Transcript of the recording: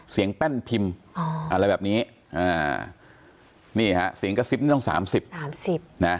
เสียงแป้นพิมพ์อะไรแบบนี้นี่ฮะเสียงกระซิบนี่ต้อง๓๐